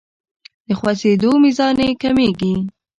د خوځیدو میزان یې کمیږي.